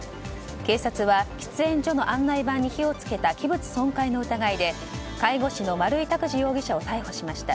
警察は、喫煙所の案内板に火を付けた器物損壊の疑いで介護士の丸井卓二容疑者を逮捕しました。